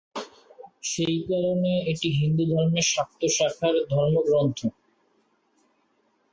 সেই কারণে এটি হিন্দুধর্মের শাক্ত শাখার ধর্মগ্রন্থ।